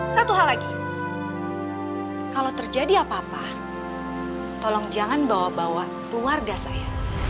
satu hal lagi kalau terjadi apa apa tolong jangan bawa bawa keluarga saya